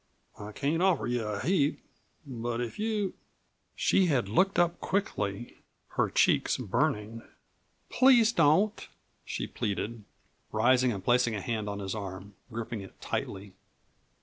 I can't offer you a heap, but if you " She had looked up quickly, her cheeks burning. "Please don't," she pleaded, rising and placing a hand on his arm, gripping it tightly.